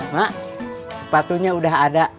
mak sepatunya udah ada